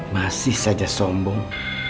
masih saja sombong